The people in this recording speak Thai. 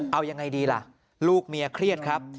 เอายังไงดีล่ะลูกเมียเครียดครับ